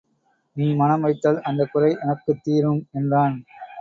நீ மனம் வைத்தால் அந்தக் குறை எனக்குத் தீரும் என்றான்.